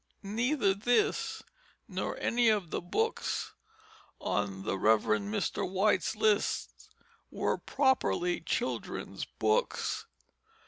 Neither this nor any of the books on the Rev. Mr. White's list were properly children's books.